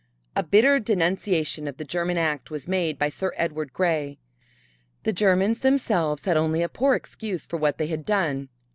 A bitter denunciation of the German act was made by Sir Edward Grey. The Germans themselves had only a poor excuse for what they had done.